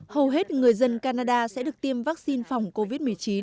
hầu hết người dân canada sẽ được tiêm vắc xin phòng covid một mươi chín